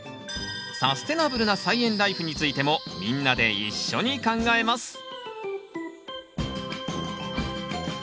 サステナブルな菜園ライフについてもみんなで一緒に考えます